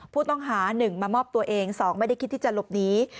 ผู้ต้องหา๑มามอบตัวเอง๒ไม่ได้คิดที่จะหลบหนี